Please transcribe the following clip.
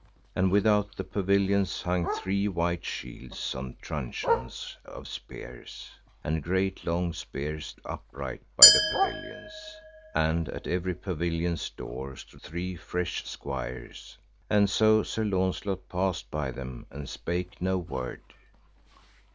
And without the pavilions hung three white shields on truncheons of spears, and great long spears stood upright by the pavilions, and at every pavilion's door stood three fresh squires, and so Sir Launcelot passed by them and spake no word.